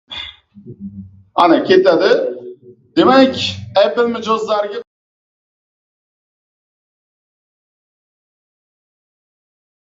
Apple mijozlariga qurilmalarni o‘zlari ta’mirlashni taklif qildi